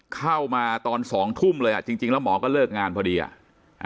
เข้ามาตอนสองทุ่มเลยอ่ะจริงจริงแล้วหมอก็เลิกงานพอดีอ่ะ